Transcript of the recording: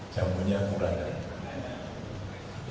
jambunya kurang dari